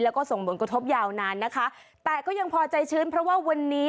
แล้วก็ส่งผลกระทบยาวนานนะคะแต่ก็ยังพอใจชื้นเพราะว่าวันนี้